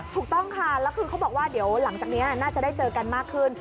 ถูกต้องค่ะแล้วคือเขาบอกว่าเดี๋ยวหลังจากนี้น่าจะได้เจอกันมากขึ้น